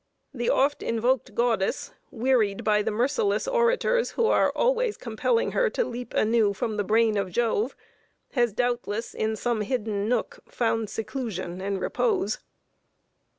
The oft invoked goddess, wearied by the merciless orators who are always compelling her to leap anew from the brain of Jove, has doubtless, in some hidden nook, found seclusion and repose.